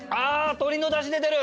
鶏のだし出てる！